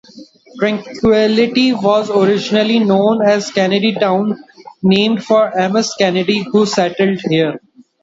Tranquility was originally known as Kennedytown, named for Amos Kennedy who settled here.